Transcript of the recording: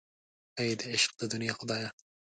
اې د عشق د دنیا خدایه.